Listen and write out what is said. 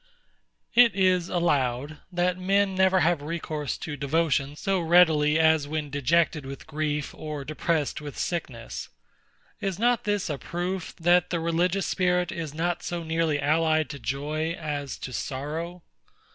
It is allowed, that men never have recourse to devotion so readily as when dejected with grief or depressed with sickness. Is not this a proof, that the religious spirit is not so nearly allied to joy as to sorrow?